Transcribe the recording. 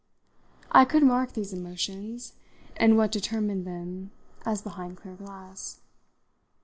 I could mark these emotions, and what determined them, as behind clear glass.